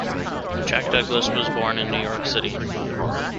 Jack Douglas was born in New York City.